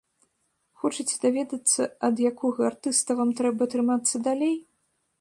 Хочаце даведацца, ад якога артыста вам трэба трымацца далей?